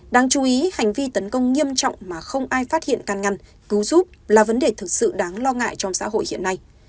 đáng chú ý hành vi tấn công nghiêm trọng mà không ai phát hiện can ngăn cứu giúp là vấn đề thực sự đáng lo ngại trong xã hội hiện nay